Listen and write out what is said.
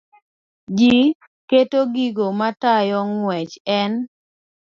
Ji keto gigo matayo ng'wech e n